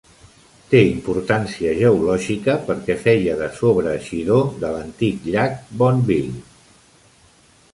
Té importància geològica perquè feia de sobreeixidor de l'antic llac Bonneville.